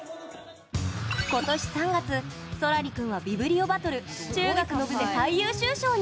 今年３月ＳＯＬＡＲＩ君は「ビブリオバトル」中学の部で最優秀賞に。